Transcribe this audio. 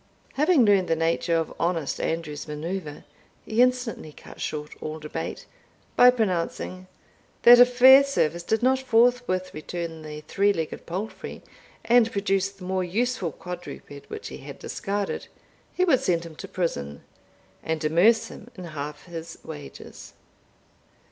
Having learned the nature of honest Andrew's manoeuvre he instantly cut short all debate, by pronouncing, that if Fairservice did not forthwith return the three legged palfrey, and produce the more useful quadruped which he had discarded, he would send him to prison, and amerce him in half his wages.